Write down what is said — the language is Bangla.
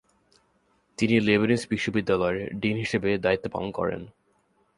তিনি লেবানিজ বিশ্ববিদ্যালয়ের ডিন হিসেবে দায়িত্ব পালন করেন।